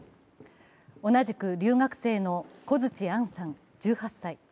同じく留学生の小槌杏さん１８歳。